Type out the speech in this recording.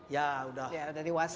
ya sudah dewasa